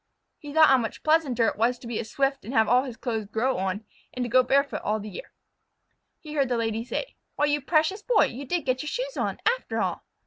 He thought how much pleasanter it was to be a Swift and have all his clothes grow on, and to go barefoot all the year. He heard the Lady say: "Why, you precious Boy! You did get your shoes on, after all."